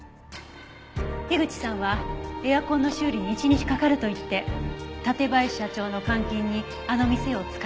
樋口さんはエアコンの修理に１日かかると言って館林社長の監禁にあの店を使えるようにした。